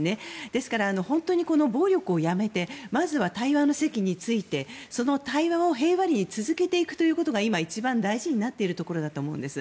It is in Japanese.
ですから本当に暴力をやめてまずは対話の席についてその対話を平和裏に続けていくということが今、一番大事になっているところだと思うんです。